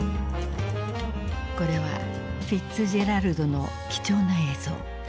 これはフィッツジェラルドの貴重な映像。